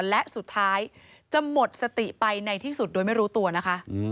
และสุดท้ายจะหมดสติไปในที่สุดโดยไม่รู้ตัวนะคะ